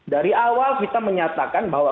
dari awal kita menyatakan bahwa